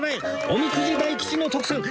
おみくじ大吉の徳さん